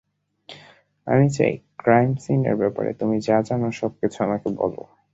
আমি চাই ক্রাইম সিনের ব্যাপারে তুমি যা জানো সবকিছু আমাকে বলো।